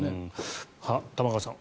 玉川さん